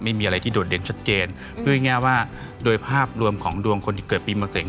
ไม่มีอะไรที่โดดเด่นชัดเจนพูดง่ายว่าโดยภาพรวมของดวงคนที่เกิดปีมะเสง